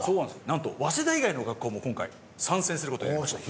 なんと早稲田以外の学校も今回参戦する事になりました。